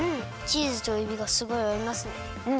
チーズとえびがすごいあいますね。